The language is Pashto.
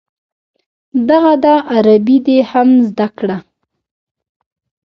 دغه ده عربي دې هم زده کړه.